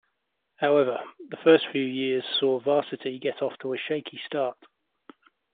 However, the first few years saw "Varsity" get off to a shaky start.